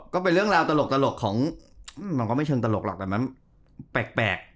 ก็เป็นเรื่องราวตลกของมันก็ไม่เชิงตลกหรอกแต่มันแปลก